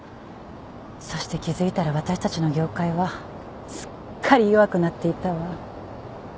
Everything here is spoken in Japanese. そして気付いたら私たちの業界はすっかり弱くなっていたわ。